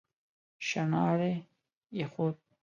شڼهاری يې خوت.